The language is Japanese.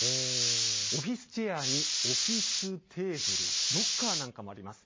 オフィスチェアにオフィステーブル、ロッカーなんかもあります。